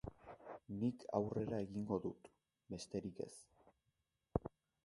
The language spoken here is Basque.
Nik aurrera egingo dut, besterik ez.